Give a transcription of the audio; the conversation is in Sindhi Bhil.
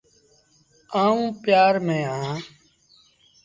آئوٚݩ پيآر ميݩ اهآݩ ۔